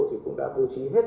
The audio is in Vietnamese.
với vốn ngân hàng thế giới